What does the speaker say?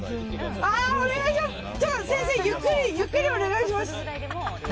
先生、ゆっくりお願いします。